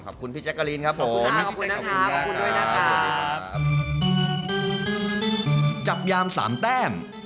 ขอบคุณพี่แจ๊กกะลีนครับผม